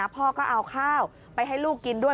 พ่อก็เอาข้าวไปให้ลูกกินด้วย